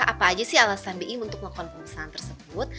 apa aja sih alasan bi untuk melakukan pemisahan tersebut